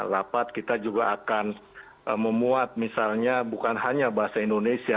rapat kita juga akan memuat misalnya bukan hanya bahasa indonesia